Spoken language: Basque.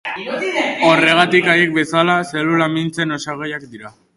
Horregatik, haiek bezala, zelula mintzen osagaiak dira.